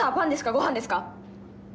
ご飯ですか？